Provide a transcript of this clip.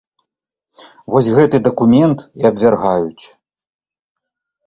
Вось гэты дакумент і абвяргаюць.